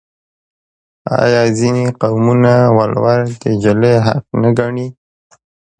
آیا ځینې قومونه ولور د نجلۍ حق نه ګڼي؟